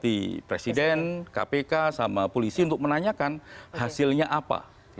di presiden kpk sama polisi untuk menanyakan hasilnya apa